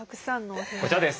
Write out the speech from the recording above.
こちらです。